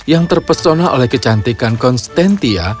yang terpesona oleh kecantikan konstantia